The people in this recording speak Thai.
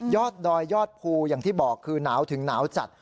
ดอยยอดภูอย่างที่บอกคือหนาวถึงหนาวจัด